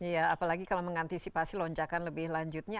iya apalagi kalau mengantisipasi lonjakan lebih lanjutnya